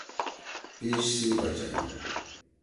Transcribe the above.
پیِڜ سی بچئی۔